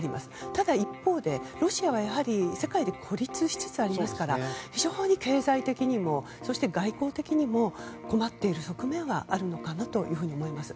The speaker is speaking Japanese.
ただ一方で、ロシアは世界で孤立しつつありますから非常に経済的にもそして外交的にも困っている側面はあるのかなと思います。